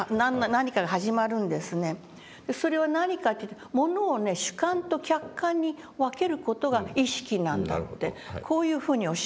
それは何かというと「ものを主観と客観に分ける事が意識なんだ」ってこういうふうにおっしゃったんですね。